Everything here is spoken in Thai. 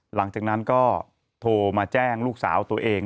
หลังจากนั้นก็โทรมาแจ้งลูกสาวตัวเอง